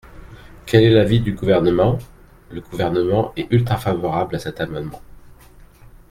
Quel est l’avis du Gouvernement ? Le Gouvernement est ultra-favorable à cet amendement.